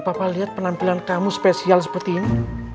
bapak lihat penampilan kamu spesial seperti ini